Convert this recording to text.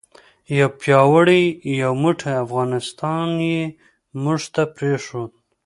یو پیاوړی یو موټی افغانستان یې موږ ته پرېښود.